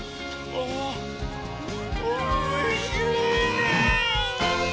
おいしいね！